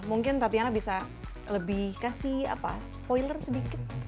mungkin tatiana bisa lebih kasih spoiler sedikit